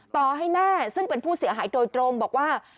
ต่อให้แม่ซึ่งเป็นผู้เสียหายโดยตรงบอกว่า